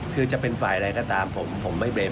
คือจะเป็นฝ่ายอะไรก็ตามผมไม่เบรม